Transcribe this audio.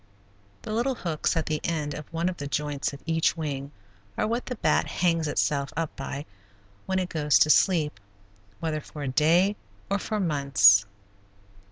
The little hooks at the end of one of the joints of each wing are what the bat hangs itself up by when it goes to sleep, whether for a day or for months.